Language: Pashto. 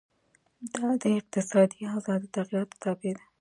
دا د اقتصادي اوضاع د تغیراتو تابع ده.